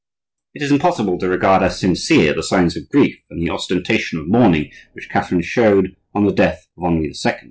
It is impossible to regard as sincere the signs of grief and the ostentation of mourning which Catherine showed on the death of Henri II.